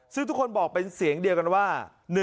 ซึ่งทุกคนบอกเป็นเสียงเดียวกันว่า